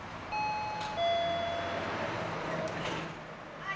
はい。